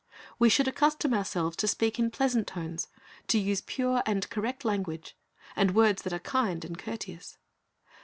We should accustom ourselves to speak in pleasant tones, to use pure and correct language, and words that are kind and courteous.